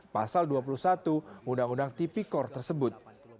pasal dua puluh satu undang undang tipikor tersebut